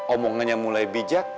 omongannya mulai bijak